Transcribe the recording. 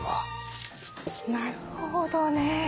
なるほどね。